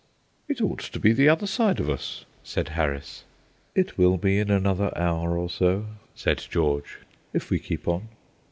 "It ought to be the other side of us," said Harris. "It will be in another hour or so," said George, "if we keep on."